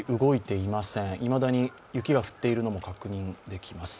いまだに雪が降っているのも確認できます。